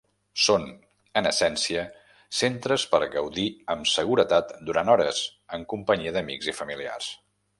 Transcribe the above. Són en essència centres per gaudir amb seguretat durant hores en companyia d'amics i familiars.